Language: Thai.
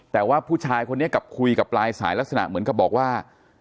แต่ว่าผู้ชายคนนี้กลับคุยกับปลายสายลักษณะเหมือนกับบอกว่า